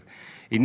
ini yang penting